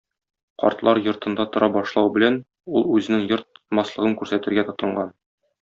Картлар йортында тора башлау белән, ул үзенең йорт тотмаслыгын күрсәтергә тотынган.